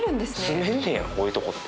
住めんねやこういうとこって。